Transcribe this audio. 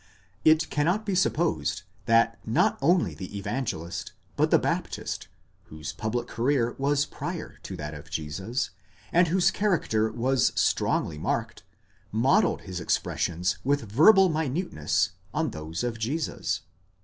It cannot be supposed, that not only the Evangelist, but the Baptist, whose public career was prior to that of Jesus, and whose character was strongly marked, modelled his expres sions with verbal minuteness on those of Jesus.